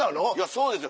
そうですよ